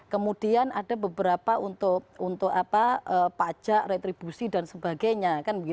kemudian ada beberapa untuk pajak retribusi dan sebagainya